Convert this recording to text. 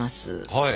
はい。